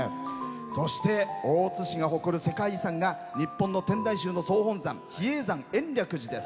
そして、大津市が誇る世界遺産が日本の天台宗の総本山比叡山延暦寺です。